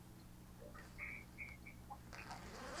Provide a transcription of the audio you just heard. miti ya migunga na mbabara au mturituri umetawala